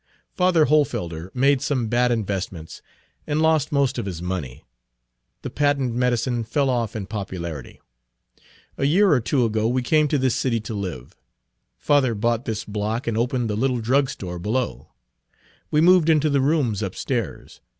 Father Hohlfelder made some bad investments, and lost most of his money. The patent medicine fell off in popularity. A year or two ago we came to this city to live. Father bought this block and opened the little drug store below. We moved into the rooms upstairs.